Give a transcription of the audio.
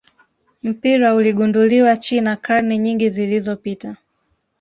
mpira uligunduliwa China karne nyingi zilizopita